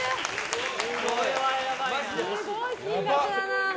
すごい金額だな。